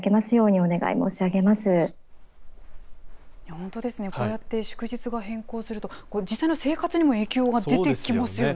本当ですね、こうやって祝日が変更すると、実際の生活にも影響が出てきますよね。